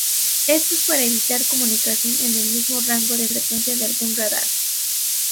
Esto es para evitar comunicación en el mismo rango de frecuencia de algún radar.